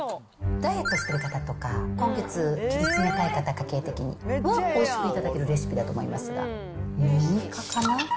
ダイエットしてる方とか、今月切り詰めたい方、家計的に、おいしく頂けるレシピだと思いますが、２ミカかな。